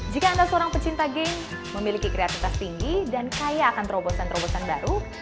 jika anda seorang pecinta game memiliki kreativitas tinggi dan kaya akan terobosan terobosan baru